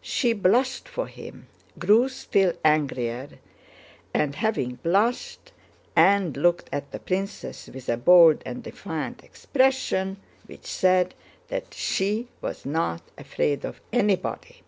She blushed for him, grew still angrier at having blushed, and looked at the princess with a bold and defiant expression which said that she was not afraid of anybody.